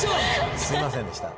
すいませんでした。